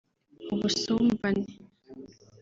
ubusumbane